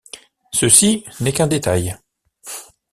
Ceci n’est qu’un détail.